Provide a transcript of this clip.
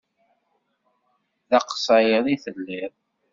D aqṣayri i telliḍ.